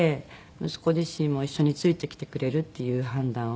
息子自身も一緒についてきてくれるっていう判断を。